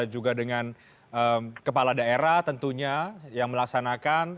juga dengan kepala daerah tentunya yang melaksanakan